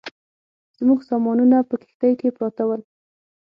زموږ سامانونه په کښتۍ کې پراته ول.